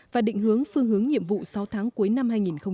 và định hướng phương hướng nhiệm vụ sáu tháng cuối năm hai nghìn một mươi chín